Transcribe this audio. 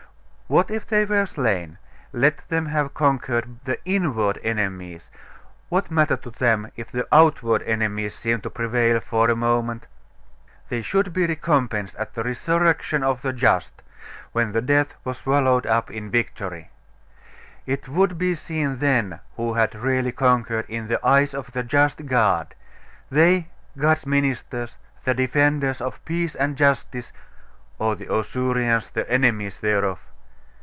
What if they were slain? Let them have conquered the inward enemies, what matter to them if the outward enemies seemed to prevail for a moment? They should be recompensed at the resurrection of the just, when death was swallowed up in victory. It would be seen then who had really conquered in the eyes of the just God they, God's ministers, the defenders of peace and justice, or the Ausurians, the enemies thereof....